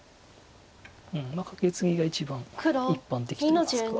カケツギが一番一般的といいますか。